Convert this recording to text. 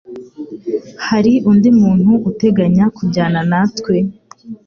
Hari undi muntu uteganya kujyana natwe?